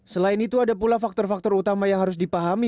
selain itu ada pula faktor faktor utama yang harus dipahami